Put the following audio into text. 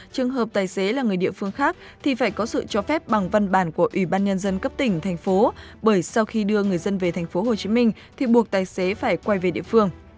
trường hợp tài xế là người địa phương khác thì phải có sự cho phép bằng văn bản của ủy ban nhân dân cấp tỉnh thành phố bởi sau khi đưa người dân về thành phố hồ chí minh thì buộc tài xế phải quay về địa phương